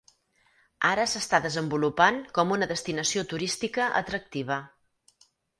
Ara s'està desenvolupant com una destinació turística atractiva.